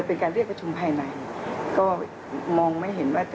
เป็นการเรียกประชุมภายในก็มองไม่เห็นว่าจะ